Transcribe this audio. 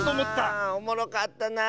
ああおもろかったなあ。